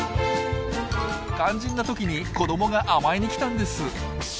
肝心な時に子どもが甘えに来たんです。